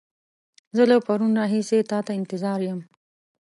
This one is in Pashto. زه له پرون راهيسې تا ته انتظار يم.